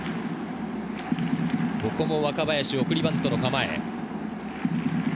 ここも若林は送りバントの構え。